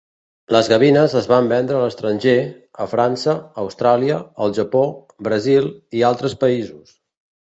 Les gavines es van vendre a l'estranger; a França, Austràlia, el Japó, Brasil i altres països.